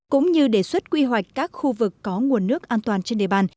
cũng như đề xuất quy hoạch các khu vực có nguồn nước an toàn trên địa bàn